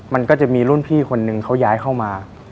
มันก็จะมีรุ่นพี่คนนึงเขาย้ายเข้ามา